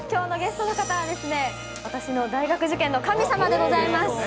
きょうのゲストの方はですね、私の大学受験の神様でございます。